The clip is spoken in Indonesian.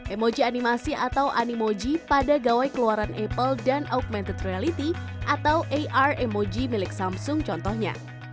emoji animasi atau animoji pada gawai keluaran apple dan augmented reality atau ar emoji milik samsung contohnya